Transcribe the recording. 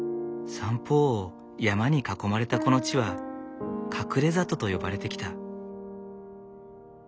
三方を山に囲まれたこの地は隠れ里と呼ばれてきた。